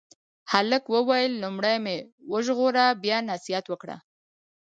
هلک وویل لومړی مې وژغوره بیا نصیحت وکړه.